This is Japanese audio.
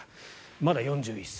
まだ４１歳。